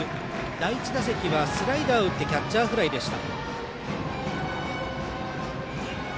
第１打席はスライダーを打ってキャッチャーフライでした。